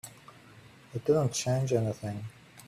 It didn't change anything.